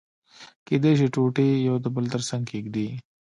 کېدای شي ټوټې يو د بل تر څنګه کېږدي.